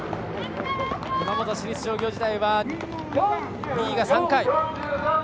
熊本市立商業時代は２位が３回。